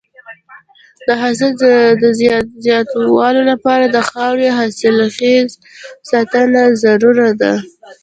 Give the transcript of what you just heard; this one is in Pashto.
د حاصل د زیاتوالي لپاره د خاورې حاصلخېزۍ ساتنه ضروري ده.